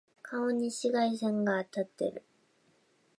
顔に紫外線が当たってる。